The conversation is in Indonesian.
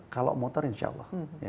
kalau motor insya allah